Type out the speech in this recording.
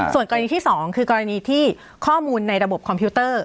ส่วนกรณีที่๒คือกรณีที่ข้อมูลในระบบคอมพิวเตอร์